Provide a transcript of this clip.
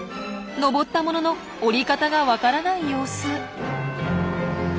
登ったものの下り方が分からない様子。